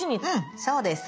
そうです。